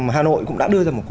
hà nội cũng đã đưa ra một